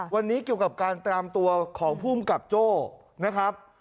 วันนี้เกี่ยวกับการตามตัวของภูมิกับโจ้นะครับ